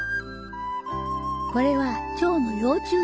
これはチョウの幼虫だじょ。